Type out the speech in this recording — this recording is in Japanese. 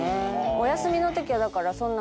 お休みのときはだからそんな。